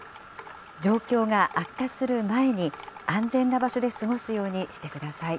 状況が悪化する前に、安全な場所で過ごすようにしてください。